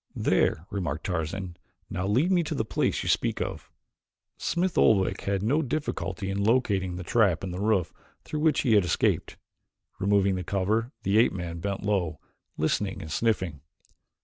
"There," remarked Tarzan. "Now, lead me to the place you speak of." Smith Oldwick had no difficulty in locating the trap in the roof through which he had escaped. Removing the cover the ape man bent low, listening and sniffing.